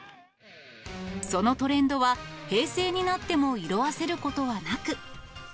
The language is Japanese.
そのトレンドは平成になっても色あせることはなく。